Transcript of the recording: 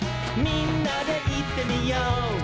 「みんなでいってみよう」